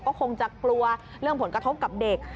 ก็คงจะกลัวเรื่องผลกระทบกับเด็ก